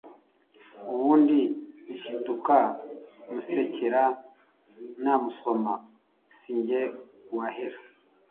ubundi nshiduka musekera namusoma... Si nge wahera...!